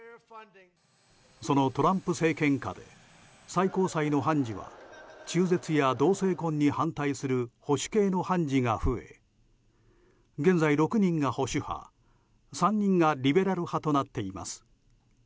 そのトランプ政権下で最高裁の判事は中絶や同性婚に反対する保守系の判事が増え現在６人が保守派３人がリベラル派となっています。